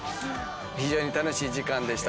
非常に楽しい時間でした。